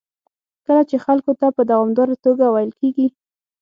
کله چې خلکو ته په دوامداره توګه ویل کېږي